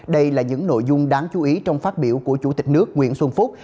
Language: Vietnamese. đây là những nội dung đáng chú ý trong phát biểu của chủ tịch nước nguyễn xuân phúc